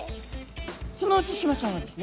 そのうちシマちゃんはですね